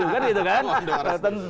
kan gitu kan